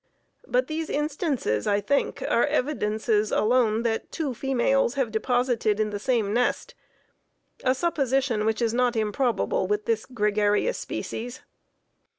But these instances, I think, are evidences alone that two females have deposited in the same nest, a supposition which is not improbable with the gregarious species.